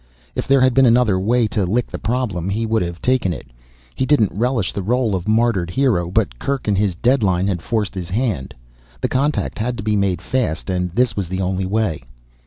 If there had been another way to lick the problem, he would have taken it; he didn't relish the role of martyred hero. But Kerk and his deadline had forced his hand. The contact had to be made fast and this was the only way.